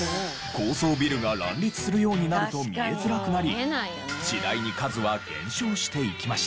高層ビルが乱立するようになると見えづらくなり次第に数は減少していきました。